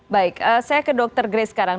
baik saya ke dr grace sekarang